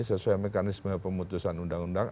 sesuai mekanisme pemutusan undang undang